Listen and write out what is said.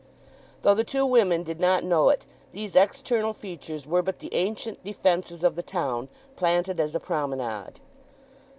Though the two women did not know it these external features were but the ancient defences of the town, planted as a promenade.